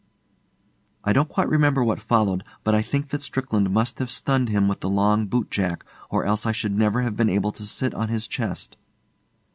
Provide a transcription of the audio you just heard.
I don't quite remember what followed, but I think that Strickland must have stunned him with the long boot jack or else I should never have been able to sit on his chest.